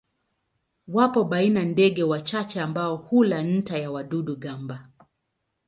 Wapo baina ndege wachache ambao hula nta ya wadudu-gamba.